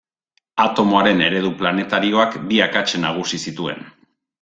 Atomoaren eredu planetarioak bi akats nagusi zituen.